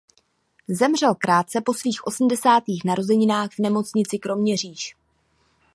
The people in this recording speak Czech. Zemřel krátce po svých osmdesátých narozeninách v nemocnici Kroměříž.